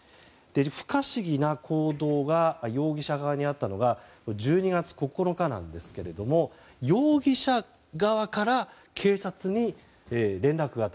不可思議な行動が容疑者側にあったのが１２月９日なんですが容疑者側から警察に連絡があった。